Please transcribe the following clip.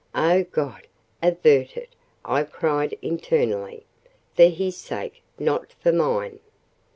"O God, avert it!" I cried, internally—"for his sake, not for mine!"